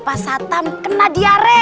pas satam kena diare